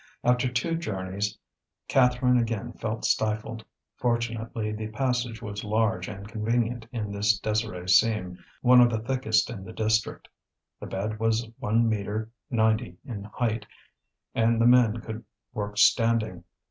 After two journeys, Catherine again felt stifled. Fortunately, the passage was large and convenient in this Désirée seam, one of the thickest in the district. The bed was one metre ninety in height, and the men could work standing.